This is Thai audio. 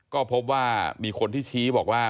ก็พบว่ามีคนที่ชี้บอกว่า